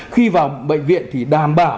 khi vào bệnh viện thì đảm bảo